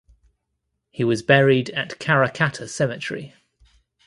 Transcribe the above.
He was buried at Karrakatta Cemetery.